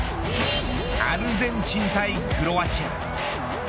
アルゼンチン対クロアチア。